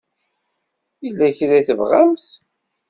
Yella kra i tebɣamt?